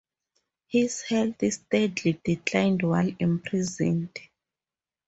His health steadily declined while imprisoned.